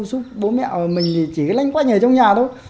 xúc bố mẹ mình thì chỉ cái lanh quanh ở trong nhà thôi